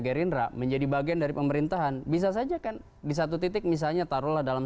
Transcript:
gerindra menjadi bagian dari pemerintahan bisa saja kan di satu titik misalnya taruhlah dalam